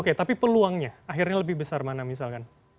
oke tapi peluangnya akhirnya lebih besar mana misalkan